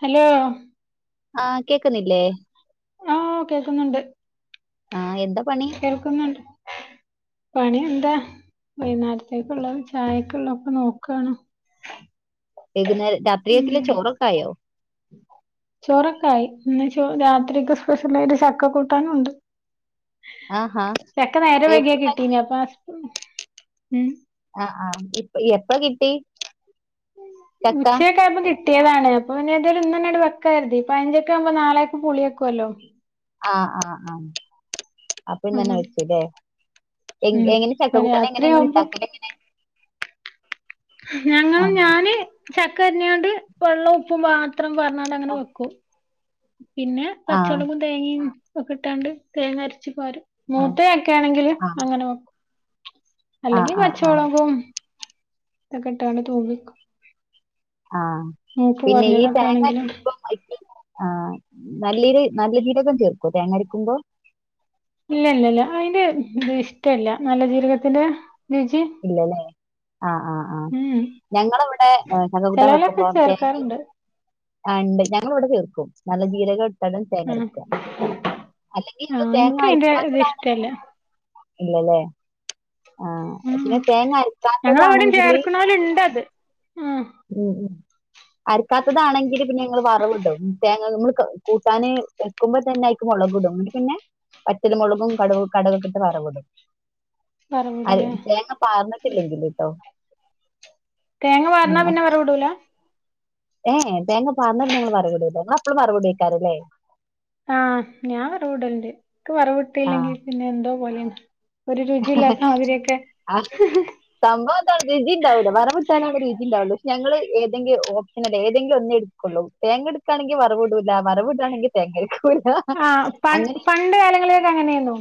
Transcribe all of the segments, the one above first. Hello ആഹ് കേക്കുന്നില്ലേ ആഹ് കേക്കുന്നുണ്ട് ആഹ് എന്താ പണി കേൾക്കുന്നുണ്ട് പണി എന്താ വൈന്നേരത്തേക്കുള്ളതും ചായക്കുള്ള ഒക്കെ നോക്കാണ് വൈകുന്നേരം രാത്രിയക്കല്ലെ ഉം ചോറൊക്കായോ ചോറൊക്കെ ആയി ഇന്ന് ചോ രാത്രിക്ക് സ്പെഷ്യലായിട്ട് ചക്ക കൂട്ടാനും ഉണ്ട് ആഹാ ചക്ക നേരം വൈകിയ എപ്പ കിട്ടീന അപ്പ ഉം ആഹ് ആഹ് ഇപ്പ എപ്പഴാ കിട്ടി ചക്ക ഉച്ച ഒക്കെയായപ്പോം കി ട്ടിയതാണ് അപ്പ പിന്നെ എന്തായാലും ഇന്നെന്നെ അങ്ങട്ട് വെക്കാ കരുതി പഴഞ്ചക്ക ആകുമ്പോ നാളെയക്ക്‌ പുളിവെക്കുവല്ലോ ആഹ് ആഹ് ആഹ് അപ്പൊ ഇന്നന്നെ അങ്ങനെ വച്ചുല്ലേ എങ്ങ് ഉം എങ്ങനെ അപ്പൊ ചക്കക്കൂട്ടാൻ എങ്ങനെ ഇങ്ങള് രാത്രിയാവുമ്പോ ഉണ്ടാക്കല് ഞങ്ങള് ആഹ് ഞാന് ചക്ക അരിഞ്ഞാണ്ട് വെള്ളം ഉപ്പും മാ ത്രം പാർന്നാണ്ട് അങ്ങനെ വെക്കും പിന്നെ ആഹ് പച്ചള്ളം തേങ്ങയും ഒകിട്ടാണ്ട് തേങ്ങ അരച്ചു പാരും ആഹ് മൂത്ത ചക്കേണെങ്കിൽ ആഹ് അങ്ങനെ വെക്കും ആഹ് അല്ലങ്കി ആഹ് പച്ച ആഹ് മുളകും ഇതൊക്കെട്ടാണ്ട് തൂമിക്കും ആഹ് മൂപ്പ് പിന്നെ ഈ കുറഞ്ഞതൊക്കെ ആണെങ്കിലും തേങ്ങക്കരക്കുമ്പോ അയ്ക്ക് ആഹ് നല്ല രീ നല്ല ജീരകം ചേർക്കോ തേങ്ങരുക്കുമ്പോ ഇല്ല ഇല്ല ഇല്ല അയിന്റെ ഇത് ഇഷ്ടല്ല നല്ല ജീരകത്തിന്റെ രുചി ഇല്ലല്ലെ ആഹ് ആഹ് ആഹ് ഉം ഞങ്ങളവിടെ ചക്ക കൂട്ടാൻ ചിലവലൊക്കെ വെക്കുമ്പോ തേങ്ങീം ചേർക്കാറുണ്ട് ആഹ് ണ്ട് ഞങ്ങളവിടെ ചേർക്കും നല്ല ജീരക ട്ടത് ആ തേങ്ങരക്കാ അല്ലെങ്കിൽ ആ ഇങ്ങള് തേങ്ങ എനിക്ക് അതിന്റെ ഇത് അരക്കാത്തതാണെങ്കിൽ ഇഷ്ടല്ല ഇല്ലല്ലേ ആഹ് പിന്നെ ഉം തേങ്ങ ഞങ്ങളവിടെയും അരക്കാത്തതാണെങ്കില് ചേർക്കണോലുണ്ടത് ആ ഉം ഉം അരക്കാത്തതാണെങ്കിൽ പിന്നെ ഞങ്ങള് വറവ് ട്ടും തേങ്ങ നമ്മൾ കൂട്ടാന് വെക്കുമ്പ തന്നെ ആയിക്ക് മുളക് ഇടും പിന്നെ വറ്റല് മുളകും കടക് കടകൊക്കെ ഇട്ട് വറവിടും അര വറവിടൂലേ തേങ്ങ പാർന്നിട്ടില്ലെങ്കില്ട്ടോ തേങ്ങ പാർനാ പിന്നെ വറവിടൂലാ ഏ് ഏ തേങ്ങ പാറന്നാ പിന്നെ ഞങ്ങള് വറവിടുല്ല ഇങ്ങൾ എപ്പളും വറവിടേ കാരുംല്ലേ ആഹ് ഞാൻ വറവിടല്ണ്ട്നിക്ക് വറവിട്ടില്ലെങ്കിൽ ആഹ് പിന്നെ എന്തോ പോലെയാണ് ഒരു രുചി ഇല്ലാത്തമാതിരിയൊക്കെ സംഭവത്താണ് രുചി ഉണ്ടാവില്ല വറവിട്ടാലാണ് രുചിണ്ടാവൊ ള്ളു പക്ഷെ ഞങ്ങള് ഏതേലും ഓപ്ഷനൽ ഏതെങ്കിലും ഒന്നേ ഇടു ൂ തേങ്ങ എടുക്കുകയാണെങ്കിൽ വറവ് ഇടൂല വറവ് ഇടാണെങ്കിൽ തേങ്ങ എടുക്കൂല്ല അങ്ങനെ പണ്ട്കാലങ്ങളിലൊക്കെ അങ്ങനെന്നു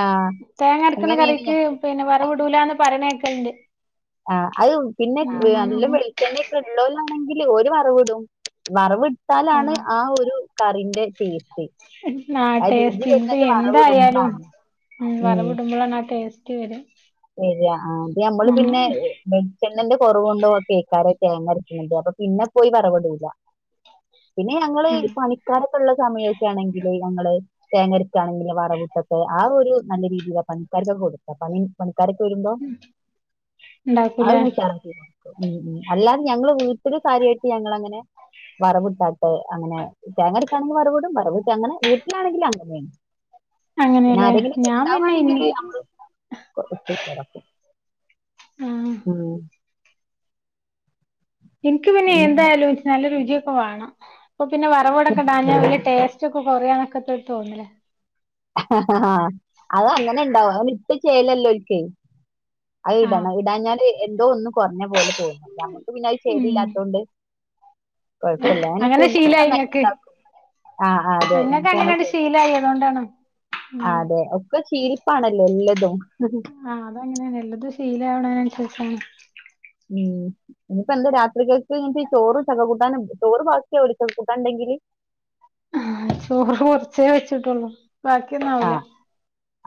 ആഹ് തേങ്ങ അരക്ക്ണ അങ്ങനേണ് കറിക്ക് ഞാൻ പിന്നെ വറവിടുലാന്ന് പറയ്ണേക്കല്ണ്ട് ആ അത് പിന്നെ നല്ലാം വെളിച്ചണ്ണൊക്കെ ഉ ളോല്ലാണെങ്കിൽ ഒരു വറവ് ഇടും വറവ്ടുത്താലാണ് ആഹ് ആ ഒരു കറിന്റെ ടേസ്റ്റ് ആാ ആ രുചി ടേസ്റ്റ് വരുന്നത് എന്തായാലും വറവിടുമ്പളാണ്. ഉ വരവിടുംമ്പളാ ണാ ടേസ്‌റ്റ്വര ശരിയാ ആ അത് മ്മള് പിന്നെ വെളിച്ചെണന്റെ കുറവുണ്ടോ കേക്കാരും തേങ്ങരക്കാണ്ട് അപ്പൊ പിന്നെ പോയി വറവിടൂല്ല പിന്നെ ഞങ്ങള് ആഹ് പണിക്കാരൊക്കെ ഉള്ള സമയൊക്കെ ആണെങ്കില് ഞങ്ങള് തേങ്ങരക്കാണെങ്കിലിൽ വറവുട്ടൊക്കെ ആ ഒരു നല്ല രീതിയില് പണിക്കാരക്കൊ കൊടുത്ത പ [unintelligible] ഉ ഉണ്ടാക്കൂലേ അല്ലാതെ ഞങ്ങള് വീട്ടില് കാര്യമായിട്ട് ഞങ്ങളങ്ങനെ വറവുട്ട് അങ്ങെ തേങ്ങരടക്കാണെങ്ക വറവിടും വറവുട്ട അങ്ങനെ വീട്ടിലാണെങ്കിലും അങ്ങനെയേും പിന്നെ അങ്ങനെയല്ലേ ആരെങ്കിലുക്കെ ഞാൻ പിന്നെ ഇൻ ഉണ്ടാവാണെങ്കിൽ നമ്മള് ആഹ് [unintelligible] എനിക്ക് പിന്നെ എന്തായാലും നല്ല രുചിയൊക്കെ വേണം അപ്പൊ പിന്നെ വറവോടൊക്കെ ടാഞ്ഞാ വലിയ ടേസ്റ്റ് റ്റൊക്കെ കൊറയാനൊക്കെ ഒരു തോന്നല്ല് അത് അങ്ങനെ ഇണ്ടാവും അത് അതിട്ട് ചെല്ലല്ലോൽ ക്കെയ്. അത് ആഹ് ഇടണം ഇടാഞ്ഞ എന്തോ ഒന്ന്. കൊറഞ്ഞ പോലെ തോന്നും ഞങ്ങക്ക് പിന്നെ അത് ഉം ശിലില്ലാത്തൊണ്ട്. അങ്ങനെ ശീലായി നന്നായിട്ട് ഇങ്ങക്ക്. ഉണ്ടാക്കും ആ ആ, അതെ ഇങ്ങക്ക് ഞങ്ങൾക്ക് അങ്ങനെ ആണ് ശീലായി അതോണ്ടാണ്. ആഹ് ഉം അതെ ഒക്കെ ശീലിപ്പാണല്ലോ എല്ലതും. ആഹ് അതങ്ങനെയാണ് എല്ലതും ശീലാവണതനുസരിച്ചാണ്. ഉം ഇനിയിപ്പോ എന്താ രാത്രികക്ക് ങ്ങക് ചോറും ചക കൂട്ടാനും ചോറ് ബാക്കി ആവുലേ ചക്ക കൂട്ടാൻണ്ടെങ്കില്. ആഹ് ചോറ് കുറച്ചേ വെച്ചിട്ടൊള്ളൂ. ആ ബാക്കിയൊന്നാവൂല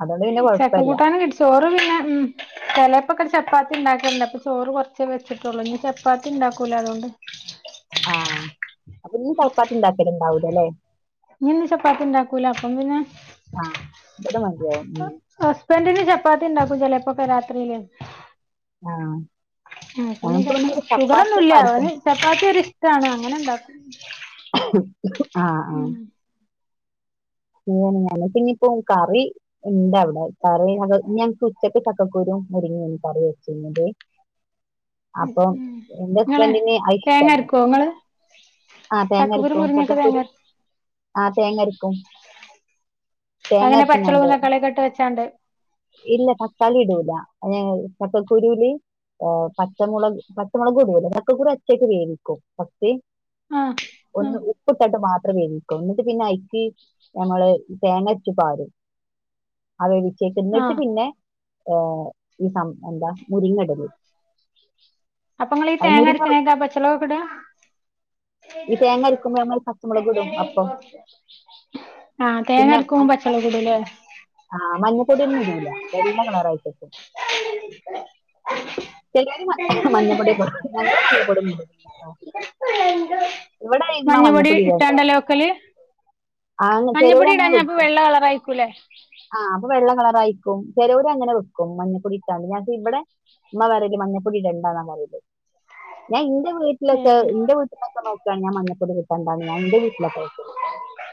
അതുകൊണ്ട് പിന്നെ ചക്ക കുഴപ്പമില്ല കൂട്ടാനും കിട്ടിച്ചോറ് പിന്നെ ഉം ചെലേപ്പൊക്കെ ചപ്പാത്തി ഇണ്ടാക്കല്ണ്ട് അപ്പൊ ചോറ് കുറച്ചേ വെച്ചിട്ടുള്ളൂ ഇനി ചപ്പാത്തി ഇണ്ടാക്കൂല അതുകൊണ്ട്. ആഹ് അപ്പൊ ഞ്ഞി ചപ്പാപ്പത്തി ഇണ്ടാക്കെല് ണ്ടാവുലെല്ലെ. ഇനിന്ന് ചപ്പാത്തി ഉണ്ടാക്കൂല അപ്പം പിന്നെ. ആഹ് ഇവിടെ മതിയാവും ഉം ഹസ്ബൻറ്റിന് ചപ്പാത്തി ഉണ്ടാക്കും ചിലപ്പോഴൊക്കെ രാത്രിയില്. ആ ഉം പ്പനി ഞങ്ങൾക്ക് പിന്നെ ചപ്പാ ഇവിടെ ചപ്പാത്തി ഷുഗറൊന്നും ഇല്ല ഒന്നും ആർക്കും [unintelligible] ചപ്പാത്തി ഒരി ഇഷ്ടാണ് അങ്ങനെണ്ടാക്ക. ആഹ് ആഹ് ഉം ഞൻ പിന്നപ്പോ കറി ഇണ്ട് അവടെ കറി ഞങ്ങ ഞ്ഞിങ്ങക്ക് ഉച്ചക്ക്. ച ക്കുരു മുരുങ്ങീ കറി വെച്ചിരുന്നത്. അപ്പൊ എന്റെ നിങ്ങള് ഹസ്ബൻറ്റ്ന് തേങ്ങ അയിഷ്ടല്ല. അരക്കുവോ നിങ്ങള് ആഹ് ചക്കക്കുരു തേങ്ങരക്കും മുരിങ്ങൊക്കെ ചക്ക തേങ്ങ കുരു ആഹ് തേങ്ങ രക്കും. അങ്ങനെ പച്ചൊളവും തക്കാളിയൊക്കെ ഇട്ട് വെച്ചാണ്ട്. ഇല്ല തക്കാളി ഇടൂല ഏഹ് ച്ചക്കക്കുരൂല് പച്ചമുളക് പച്ചമുളകും ഇടൂല ചക്കകുരു ഒറ്റയ്ക്ക് വേവിക്കും ഫാസ്റ്റ് ആഹ് ഒന്ന് ആഹ് ഉപ്പിട്ടിട്ട് മാത്രം വേവി ക്കും ന്നിട്ട് പിന്നെ അയ്ക്ക് നങ്ങള് തേങ്ങ അരച്ച് പാരും ആ വേവിചീക്ക് ന്നട്ട് ആഹ് പിന്നെ ഏഹ് ഈ സം എന്താ മുരിങ്ങടല് അപ്പൊ നിങ്ങളി തേങ്ങ അരക്കണേക്കാ പച്ചമുളക് ഒക്കെ ഇടാ ഈ തേങ്ങ അരക്കുമ്പോ നമ്മൾ പച്ചമുളക് ഇടും അപ്പം ആഹ് തേങ്ങരക്കുമ്പോ പച്ചമുളക് ഇടുംല്ലേ ആഹ് മഞ്ഞപ്പൊടിയൊന്നും ഇടൂല വെള്ള കളറായിട്ട് നിക്കും ചിലര് മഞ്ഞപ്പൊടി ഒക്കെ ആഹ്.... ഇടും ഞങ്ങള് മഞ്ഞപ്പൊടി ഒന്നും ഇടൂല കേട്ടോ ഇവിടെ ഇമ്മ മഞ്ഞപൊടി മഞ്ഞപ്പൊടി ഇട്ട് ഇടണ്ട കാണ്ടല്ലേ വെക്കല് ആ ചിലവര് മഞ്ഞപ്പൊടി ഇടായ്ഞ്ഞ അപ്പൊ വെള്ള കളറായി നിക്കൂലേ ആഹ് അപ്പൊ വെള്ള കളറായിക്കും ച്ചെലൊര് അങ്ങനെ വെക്കും മഞ്ഞപ്പൊടി ഇട്ടാണ്ട് ഞങ്ങ ഇവിടെ ഉമ്മ പറയൽ മഞ്ഞപ്പൊടി ഇടണ്ടാന്നാ പറയല് ഞാൻ എന്റെ വീട്ട് ട്ടിലൊക്കെ ഏഹ് എന്റെ വീട്ടിലൊക്കെ നോക്കാണ് ഞാൻ മഞ്ഞപ്പൊടി ഒക്കെ ഇട്ടക്കാണ്ട ഞാൻ ന്റെ വീട്ടിലൊക്കെ വെക്കല്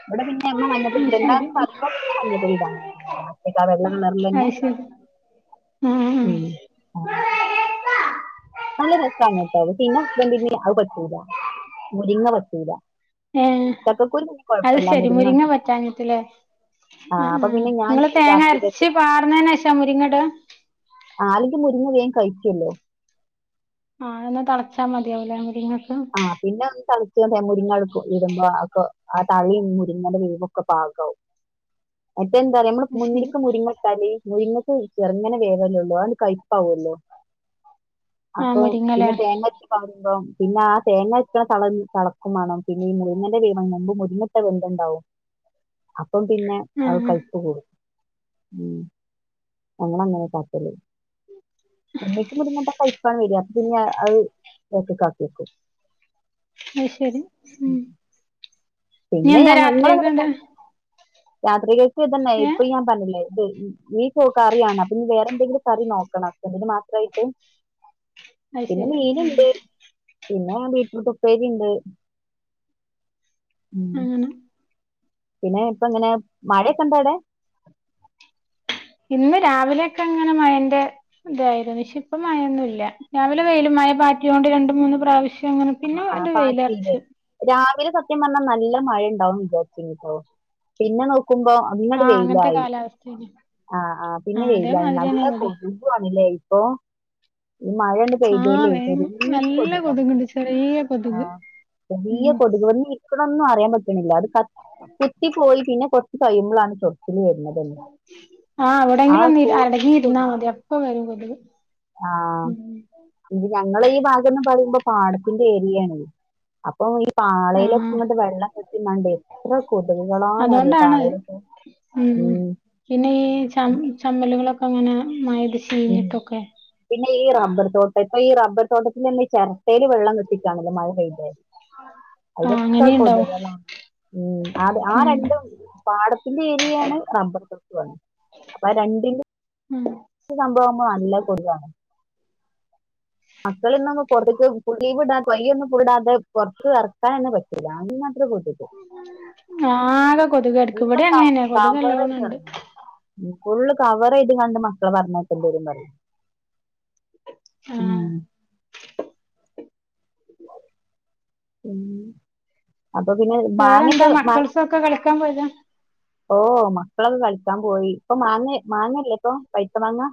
ഇവിടെ പിന്നെ ഇമ്മ മഞ്ഞപ്പൊടി അത് ഇടണ്ടാന്ന് ശരി പറയുമ്പോ പിന്നെ മഞ്ഞപ്പൊടി ഇടാൻ നിക്കൂല ന്ന്ട്ടാ വെള്ള കളറിലന്നെ അത് ശരി ആഹ് ആഹ് ഉം ആഹ് നല്ല രസാണ് ട്ടോ അത് പിന്നെ ന്റെ ഹസ്ബെൻഡിന് അത് പറ്റൂല മുരിങ്ങ പറ്റൂല ഏഹ് ചക്കക്കൂരി പിന്നെ അത് കുഴപ്പമില്ല ശരി മുരിങ്ങ പറ്റൂല. പറ്റാഞ്ഞിട്ട് ല്ലേ ആ ഉം അപ്പൊ ഉം പിന്നെ ഞാൻ നിങ്ങള് തേങ്ങ രാത്രിയിലേക്ക് അരച്ച് പാർന്നേനേശാ മുരിങ്ങടാ ആഹ് അല്ലെങ്കിൽ മുരിങ്ങ വേം കയ്ക്കുവല്ലോ ആ എന്നാ തളച്ചാൽ മതിയാവൂല്ലേ മുരിങ്ങ അപ്പൊ ആ പിന്നെ തളിച്ചോണ്ട് മുരിങ്ങ എടുക്കും ഇടുമ്പോ ആ തളി മുരിങ്ങയുടെ വേവും ഒക്കെ പാകാവും മറ്റേത് എന്താ അറിയോ നമ്മള് അത് ശരി മുന്നില്ക്ക് മുരിങ്ങ ട്ടാല് മുരിങ്ങക്ക് ചെറ്ങ്ങനെ വേവല്ലൊള്ളു അ ആണ്ട് കയ്പ്പാവൊല്ലോ. ആഹ് അപ്പം മുരിങ്ങലേ പിന്നെ തേങ്ങര്ച്ച് പാരുമ്പോ പിന്നെ ആ തേങ്ങര്ക്ക്ണ തള തളക്കും മാണം. പിന്നെ ഈ മുരിങ്ങന്റെ വീ [unintelligible] മുമ്പും മുരിങ്ങട്ട വെന്ത്ണ്ടാവും. അപ്പം പിന്നെ അയ് ആഹ് കയ്പ്പ് കൂടും. ഉം ഞങ്ങളങ്ങനെ കാട്ടല്. മുമ്പ്ക്ക് മുരിങ്ങട്ട കയ്പ്പാണ് വെര. പിന്നെ അയ് ഒറ്റക്കാക്യക്കും. അയ്ശെരി. ഉം ഇനി പിന്നെ എന്താ ഞങ്ങള് ങ്ങള് രാത്രിക്കണ്ട് രാത്രികേക്ക് ഇതന്നെ ഏഹ് ഇപ്പൊ ഞാൻ പർഞ്ഞില്ലേ തെ ഈ കൂ കറിയാണ് അപ്പൊ ഞ്ഞി വേറെ എന്തെങ്കിലും കറി നോക്കണം. ഹസ്ബൻഡ്ന് മാത്രായിട്ട്. അത് പിന്നെ ശരി മീന്ണ്ട്. പിന്നെ ബീറ്റ്റൂട്ട് ഉപ്പേരിണ്ട്. ഉം. അങ്ങനെ പിന്നെ ഇപ്പൊങ്ങനെ മഴയൊക്കെണ്ടോ അടെ? ഇന്ന് രാവിലെയൊക്കെങ്ങനെ മഴന്റെ തായിരുന്നു ഷേ പ്പം മഴൊന്നുല്ല്യ. രാവിലെ വെയിലും മഴ പാറ്റ്യോണ്ട് രണ്ടും മൂന്നും പ്രാവിശ് ങ്ങനെ പിന്നെ ആ അണ്ട് പാറ്റിയില്ലേ വെയിലർച്ച്. രാവിലെ സത്യം പർഞ്ഞാ നല്ല മഴണ്ടാവും വിചാരിച്ചിനിട്ടോ. പിന്നെ നോക്കുമ്പോ പിന്നണ്ട് ആഹ് അങ്ങനത്തെ വെയിലായി. കാലാവസ്ഥേന് ആഹ്, ആഹ് ആ പിന്നെ വെയിലായി അതേമാതിരി തന്നെ നല്ല ഇവിടേം കൊതു തു ആണ്ലേ ഇപ്പോ. ഈ മഴെണ്ട് ആഹ്, വയ് നല്ല കൊത്ക്ണ്ട് ചെറിയ കൊതുക് ആഹ്, ചെറിയ ഉം കൊതുക് വന്നിരി ക്ക്ണൊന്നും അറിയാൻ പറ്റ്ണില്ല. അത് കത് കുത്തിപ്പോയി പിന്നെ കൊർച്ച് കഴിയുമ്പൊളാണ് ചൊറി ആഹ് ആ എവടെങ്കിലൊന്ന് ഇരി കോട്ടില് അടങ്ങിരുന്നാമതി അപ്പം വരും കൊതുക്. ആഹ്. ഉം ഇത് ഞങ്ങളെ ഈ ഭാഗന്ന് പറിമ്പോ പാടത്തിന്റെ ഏരിയേണെയ്. അപ്പൊ ഈ ആ പാളയിലൊക്കെ ങ്ങട്ട് വെള്ളം കെട്ടിന്നാണ്ടേയ് എത്ര കൊത്ക് കളാന്നറിയോ അതുകൊണ്ടാണ് പാളയിലൊക്കെ ഉം, പിന്നെ ഈ ചം ചമ്മല്കളൊക്കെങ്ങനെ മഴെയ്ത് ഉം ചീഞ്ഞിട്ടൊക്കെ പിന്നെ ഈ റബ്ബർ തോട്ട പ്പ ഈ റബ്ബർ തോട്ടത്തിലെന്നെ ചെരട്ടേല് വെള്ളം കെട്ടിക്കാണല്ലോ മഴ പെയ്ത്. ആ അയിലൊക്കെ അങ്ങനെയും ഉണ്ടാവും കൊത്കളാ. ഉം, അത് ആ ഉം രണ്ടും പാട ന്റെ ഏരിയാണ് റബ്ബർത്തോപ്പ്. അപ്പൊ ആ രണ്ടിന്റെ ഉം പ്പ സംഭവമ്മ നല്ല കൊതുകാണ്. മക്കള് ഇന്നോന്നും കൊതുക് [unintelligible] പോർത്ത്ക്ക്‌ എർക്കാനെന്നെ പറ്റൂല അമ്മാതിരി കോത്ക് ആകെ ഫുള്ള് കൊതുകടിക്കും. വടിം അങ്ങന്നെ കൊതുകല്ലോണം ണ്ട്. ഉം, ഫുള്ള് കവറെയ്ത്ങ്ങാണ്ട് മക്കളെ പറഞ്ഞയക്കണ്ടെരുംന്നറിം. ആ ഉം. ഉം, അപ്പൊ പിന്നെ മാങ്ങെക്കെ വേറെന്താ മാങ്ങ. മക്കൾസൊക്കെ കളിക്കാൻ പോയതാ [inaudible] ഓഹ്, മക്കളൊക്ക കളിക്കാം പോയി. ഇപ്പം മാങ്ങേ മാങ്ങല്ലേപ്പം പയ്ത്ത മാങ്ങ.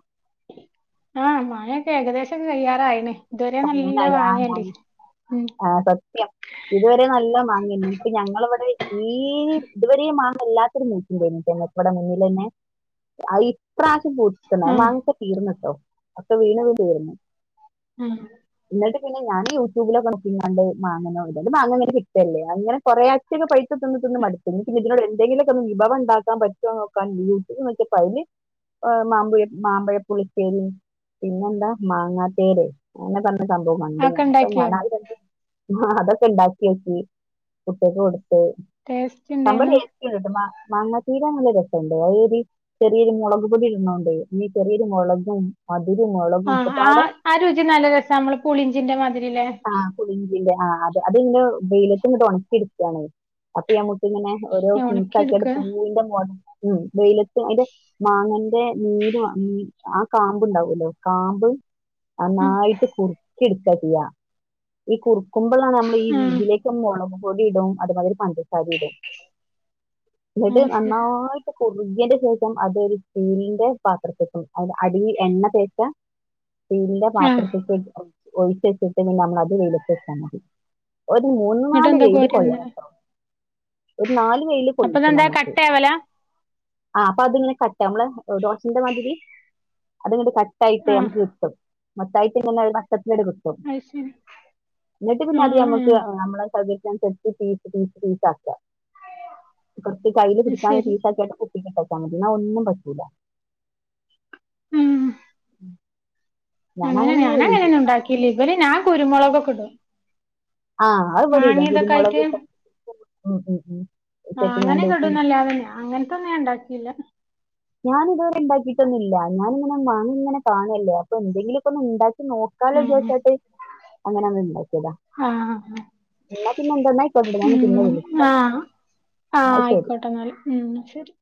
ആഹ് മാങ്ങയൊക്കെ ഏകദേശം കയ്യാറായിണ്. ഇതുവരെ നല്ല മാങ്ങേണ്ടി ഉം. ആഹ് സത്യം. ഇതുവരെ നല്ല മാങ്ങ നീ പ്പ ഞങ്ങളവടെ തീരിം തുവരെയും മാങ്ങ ല്ലാത്തൊരു മൂച്ചിണ്ടേന്നുട്ടോ ഞങ്ങക്ക് വ്ടെ മുന്നിലെന്നെ. അയ് ഇപ്രാശ്യം പൂത്ത്ക്ക്ണ് ആ ആഹ് മാങ്ങെക്കെ തീർന്ന്ട്ടോ ഒക്കെ വീണ് വീണ് തീർന്ന്. ഏഹ്. ന്ന്ട്ട് പിന്നെ ഞാന് യൂട്യൂബിലൊക്കെ നോ ഇന്നാണ്ട് മാങ്ങനോണ്ട് മാങ്ങണ്ട് കിട്ടല്ലേ അങ്ങനെ കുറെ കൊറേ ആഴ്ച്ചക്കെ പൈസ തിന്ന് തിന്ന് മട് പിന്ന പിന്നെ ഇതിനോട് എന്തെങ്കിലൊക്കെ ഒന്ന് വിഭവംണ്ടാക്കാ പറ്റോ നോക്കാൻ യൂട്യൂബ് നോക്കിയപ്പോ ഐല്. ഏഹ്, മാമ്പുഴ മാമ്പഴപ്പുളിശ്ശേരിം പിന്നെന്താ മാങ്ങാത്തേരെ അങ്ങനെ പർ സംഭവം കണ്ട് അതൊക്കെ ഞാന് അപ്പം ഇണ്ടാക്കിയോ ഞാനാഹ് രണ്ടും ഹ്ഹാ അതൊക്കെ ണ്ടാക്ക്യോക്കി. കുട്ട്യേക്ക് കൊട്ത്ത്. ടേസ്റ്റ്ണ്ടായിന്നോ? ഏത് മാ മങ്ങാതീര നല്ലരസണ്ട് അയ്. [unintelligible] ചെറിയൊരു മൊളക് പൊടിട്ണോണ്ട് ഞ്ഞി ചെറിയൊരു മൊളകും. മധുരും മൊള ആഹ്, ആഹ് ആ രുചി നല്ല രസാ മ്മളെ പുളിഞ്ചിന്റെ മാതിരില്ലേ? ആഹ് പുളിഞ്ചിന്റെ ആഹ് അത് അതിങ്ങനെ വെയിലത്തങ്ങട്ട് ഒണക്കി എടുക്കാണ്. അപ്പോ ഞമുക്കങ്ങനെ ഓരോ ഒണക്കി പീസാക്ക്യാണ്ട് എടുക്ക പൂവിന്റെ [unintelligible] വെയില ത്ത് അയിന്റെ മാങ്ങന്റെ നീര് ആ കാമ്പ്ണ്ടാവോലോ കാമ്പ് നന്നായിട്ട് കുറുക്കി എടുക്കാ ചെയ്യാ ഈ കുറുക്കുമ്പളാണ് മ്മള് ഈ ആഹ് ഇതിലേ ക്ക് മൊളകു പൊടിയിടും അതുമാതിരി പഞ്ചസാരിയിടും എന്നിട്ട് ആഹ് ശരി നന്നായി ട്ട് കുറുകിയേന്റെ ശേഷം അതൊരു സ്റ്റീലിന്റെ പാത്രത്തേക്കും അത് അടീല് എണ്ണ തേച്ച സ്റ്റീലിന്റെ ആഹ് പാത്രത്ത്ക്ക് ഒഴിച്ചെച്ച്ട്ട് പിന്നെ നമ്മളത് വെയിലത്തെച്ചാ മതി. ഒരു മൂന്ന് എന്നിട്ട് നാല് എന്താ വെയില് കോരി തിന്നല് കൊള്ളണട്ടോ. ഒരു നാല് വെയില് അപ്പൊ ഇതെന്താ കൊളളിച്ചണമ്മക്ക്. കട്ടയാവലാ ആഹ് അപ്പോ അതിങ്ങനെ കട്ടാവും നമ്മള് ദോശന്റെ മാതിരി അതിങ്ങട് ക ട്ടായിട്ട് ആഹ് നമ്മക്ക് കിട്ടും മൊത്തായിട്ട് ഇങ്ങനെ ഒരു വട്ടത്തിലങ്ങനെ കിട്ടും. അത്ശെരി. എന്നിട്ട് പിന്നെ അത് ഞമ്മക്ക് ഞമ്മളെ സൗകര്യത്തിനനുസരിച്ച് പീസ് പീസ് പീസാക്കാ. കൊറച്ച് കയ്യില് അത് പിടിക്കാൻ ശരി പീസാക്കിയാണ്ട് കുപ്പീക്ക് ഇട്ടെച്ചാ മതി ഒന്നും പറ്റൂലാ. ഉം ഞാൻ അങ്ങനെ ഒന്നും ഞാനങ്ങനൊന്നും ഇണ്ടാക്കീലേ ഇവര് ഞാ കുരുമുളകൊക്കെടും. ആ അത് ഇവിടെ ഇടും മാങ്ങീതൊക്കെ ആയിറ്റ്. കുരുമുളക് ഇട്ട ഉം ഉം ഉം. ആഹ് ചെട്ടിനാട് അങ്ങനെക്കെ ദോശ. ഇടുന്നല്ലാതെ ആഹ് അങ്ങനത്തൊന്നും ഞാൻ ഇണ്ടാക്കീല്ലാ. ഞാനിതുവരെ ഇണ്ടാക്കീട്ടൊന്നൂല്ലാ ഞാനിങ്ങനെ മാങ്ങ ഇങ്ങനെ കാണുവല്ലോ അപ്പോ എന്തെങ്കിലൊക്കെ ഒന്ന് ഉണ്ടാക്കി നോ ക്കാലേ ഉം വിചാരിച്ചിട്ട് അങ്ങനൊന്ന് ഇണ്ടാക്കിയതാ. ആഹ് എന്നാ പിന്നെന്താ എന്നാ ആയിക്കോട്ടെട്ടൊ ഞാ ഇനി പിന്നെ ഉം വിളിക്കാന്നാ ആഹ് ആ എന്നാ ശെരി. ആയിക്കോട്ടെ എന്നാല് ഉം ശെരി.